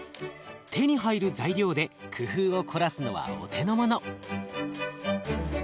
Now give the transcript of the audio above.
手に入る材料で工夫を凝らすのはお手の物。